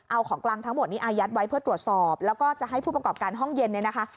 เอาของกลางทั้งหมดนี้อายัดไว้เพื่อตรวจสอบแล้วก็จะให้ผู้ประกอบการห้องเย็นเนี่ยนะคะ